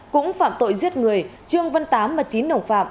cũng phạm tội giết người trương văn tám và chín đồng phạm